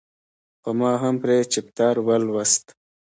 خو ما هم پرې چپټر ولوست.